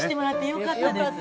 よかったです。